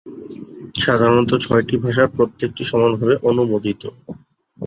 সাধারণত, ছয়টি ভাষার প্রত্যেকটি সমানভাবে অনুমোদিত।